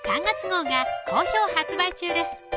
３月号が好評発売中です